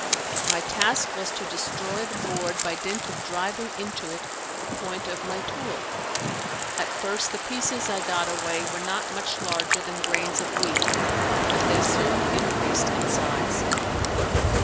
My task was to destroy the board by dint of driving into it the point of my tool. At first the pieces I got away were not much larger than grains of wheat, but they soon increased in size.